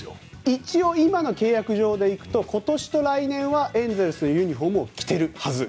一応今の契約上で行くと今年と来年はエンゼルスのユニホームを着てるはず。